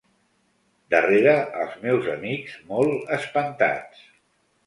Darrere, els meus amics, molt espantats.